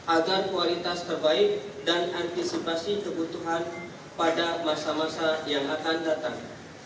agar kualitas terbaik dan antisipasi kebutuhan pada masa masa yang akan datang